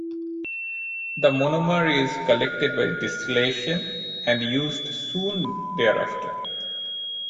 The monomer is collected by distillation, and used soon thereafter.